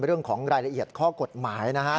เรื่องของรายละเอียดข้อกฎหมายนะฮะ